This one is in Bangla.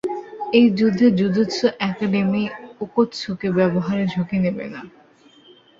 এই যুদ্ধে, জুজুৎসু একাডেমী ওকোৎসুকে ব্যবহারের ঝুঁকি নেবে না।